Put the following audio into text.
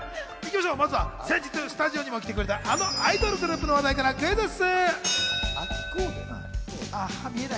まずは先日、スタジオにも来てくれたあのアイドルグループの話題からクイズッス。